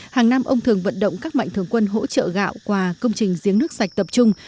hàng năm ông thường vận động các mạnh thường quân hỗ trợ gạo qua công trình giếng nước sạch tập trung